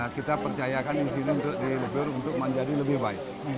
kita percayakan di sini untuk dilebir untuk menjadi lebih baik